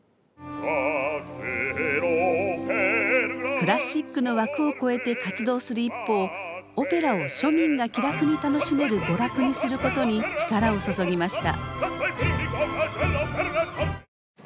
クラシックの枠を超えて活動する一方オペラを庶民が気楽に楽しめる娯楽にすることに力を注ぎました。